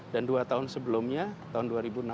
dan dua tahun sebelumnya tahun dua ribu enam belas